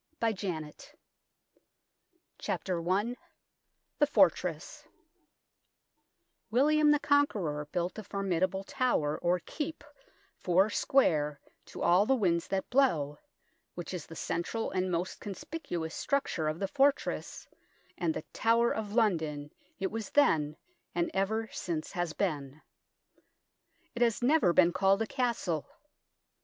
THE TOWER OF LONDON THE FORTRESS WILLIAM THE CONQUEROR built the formidable tower or Keep, four square to all the winds that blow, which is the central and most conspicuous structure of the fortress, and the Tower of London it was then and ever since has been. It has never been called a castle.